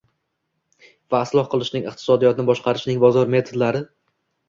va isloh qilishning, iqtisodiyotni boshqarishning bozor metodlari